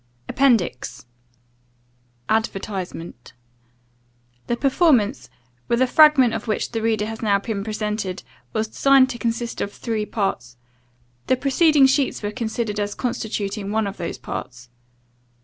APPENDIX ADVERTISEMENT* THE performance, with a fragment of which the reader has now been presented, was designed to consist of three parts. The preceding sheets were considered as constituting one of those parts.